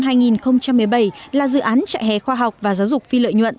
năm hai nghìn một mươi bảy là dự án trại hè khoa học và giáo dục phi lợi nhuận